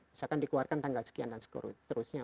misalkan dikeluarkan tanggal sekian dan seterusnya